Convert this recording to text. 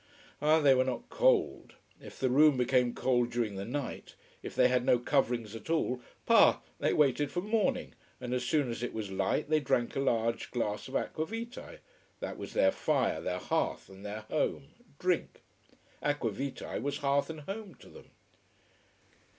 Ah, they were not cold. If the room became cold during the night: if they had no coverings at all: pah, they waited for morning, and as soon as it was light they drank a large glass of aqua vitae. That was their fire, their hearth and their home: drink. Aqua vitae, was hearth and home to them.